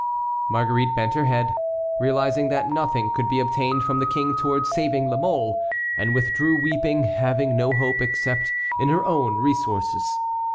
Marguerite bent her head, realizing that nothing could be obtained from the King towards saving La Mole, and withdrew weeping, having no hope except in her own resources.